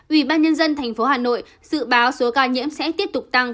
ủy ban nhân dân thành phố hà nội dự báo số ca nhiễm sẽ tiếp tục tăng